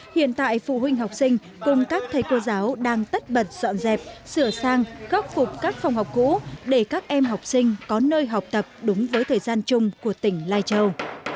hiện tại phụ huynh học sinh cùng các thầy cô giáo đang tất bật dọn dẹp sửa sang khắc phục các phòng học cũ để các em học sinh có nơi học tập đúng với thời gian chung của tỉnh lai châu